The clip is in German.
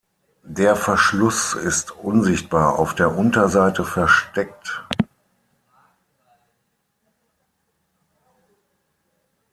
Der Verschluss ist unsichtbar auf der Unterseite versteckt.